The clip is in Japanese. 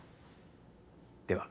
では。